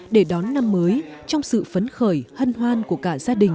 để đón năm mới trong sự phấn khởi hân hoan của cả gia đình